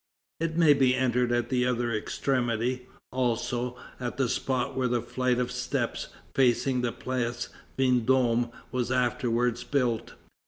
It may be entered at the other extremity, also, at the spot where the flight of steps facing the Place Vendôme was afterwards built.